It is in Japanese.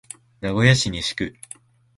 名古屋市西区